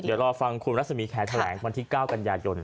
เดี๋ยวรอฟังคุณรัศมีแคร์แถลงวันที่๙กันยายน